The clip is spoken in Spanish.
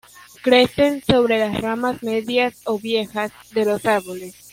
Crecen sobre las ramas medias o viejas de los árboles.